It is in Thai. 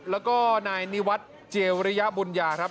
แล้วก็นายนิวัฒน์เจริยบุญญาครับ